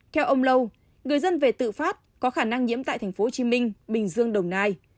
theo ông lâu người dân về tự phát có khả năng nhiễm tại tp hcm bình dương đồng nai